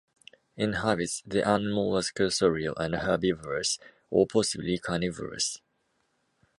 In habits, the animal was cursorial and herbivorous, or possibly carnivorous.